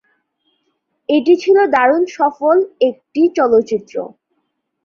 এটি ছিল দারুণ সফল একটি চলচ্চিত্র।